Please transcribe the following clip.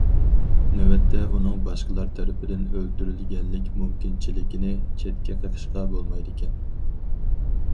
نۆۋەتتە، ئۇنىڭ باشقىلار تەرىپىدىن ئۆلتۈرۈلگەنلىك مۇمكىنچىلىكىنى چەتكە قېقىشقا بولمايدىكەن.